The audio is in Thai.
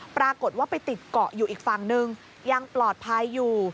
ปรากฏว่าไปติดเกาะอยู่อีกฝั่งนึงยังปลอดภัยอยู่